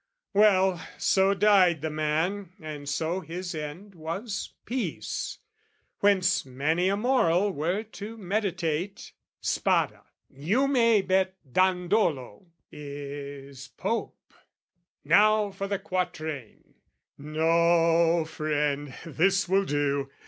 Well, "So died the man, and so his end was peace; "Whence many a moral were to meditate. "Spada, you may bet Dandolo, is Pope! "Now for the quatrain!" No, friend, this will do!